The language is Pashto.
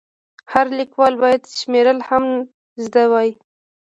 هر لیکوال باید شمېرل هم زده وای.